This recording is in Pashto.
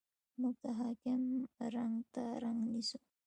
موږ د حاکم رنګ ته رنګ نیسو.